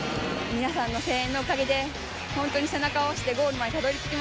皆さんの声援のおかげでホントに背中を押してゴールまでたどり着きました。